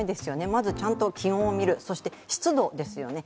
まずちゃんと気温を見る、そして湿度ですよね。